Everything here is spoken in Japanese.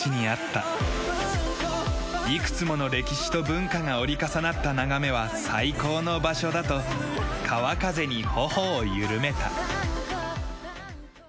いくつもの歴史と文化が折り重なった眺めは最高の場所だと川風に頬を緩めた。